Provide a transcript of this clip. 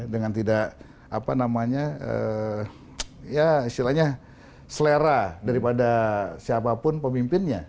dengan tidak apa namanya ya istilahnya selera daripada siapapun pemimpinnya